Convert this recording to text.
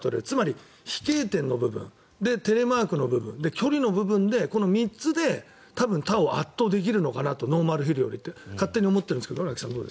つまり、飛型点の部分テレマークの部分、距離の部分この３つで他を圧倒的できるのかなノーマルヒルよりって勝手に思ってるんですけど。